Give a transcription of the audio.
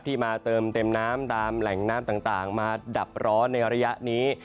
มาเติมเต็มน้ำตามแหล่งน้ำต่างมาดับร้อนในระยะนี้